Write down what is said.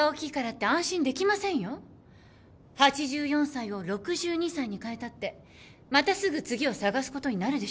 ８４歳を６２歳にかえたってまたすぐ次を探すことになるでしょうから。